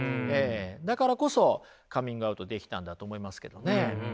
だからこそカミングアウトできたんだと思いますけどね。